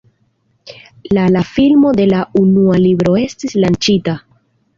La la filmo de la unua libro estis lanĉita.